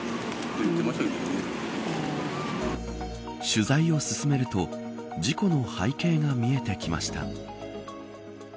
取材を進めると事故の背景が見えてきました。